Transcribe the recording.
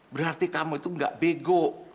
berarti kamu itu nggak bego